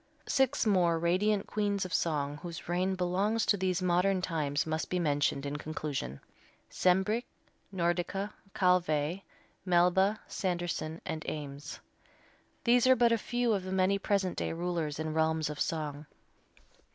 Six more radiant queens of song whose reign belongs to these modern times must be mentioned in conclusion: Sembrich, Nordica, Calvé, Melba, Sanderson and Eames. These are but a few of the many present day rulers in the realms of song.